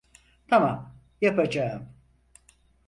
Tamam, yapacağım.